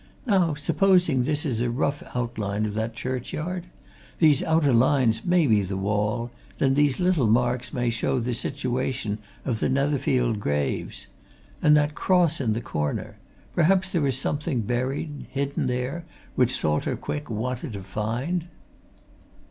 Now supposing this is a rough outline of that churchyard? These outer lines may be the wall then these little marks may show the situation of the Netherfield graves. And that cross in the corner perhaps there is something buried, hidden, there, which Salter Quick wanted to find?"